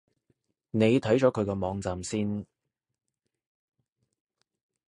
你睇咗佢個網站先